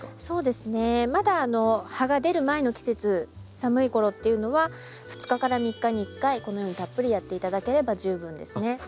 そうですねまだ葉が出る前の季節寒い頃っていうのは２日から３日に１回このようにたっぷりやって頂ければ十分ですね。